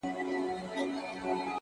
د مرگي راتلو ته ـ بې حده زیار باسه ـ